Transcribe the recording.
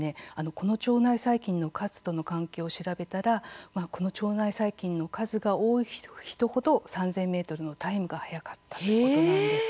この腸内細菌の数との関係を調べたらこの腸内細菌の数が多い人程３０００ｍのタイムが速かったということなんです。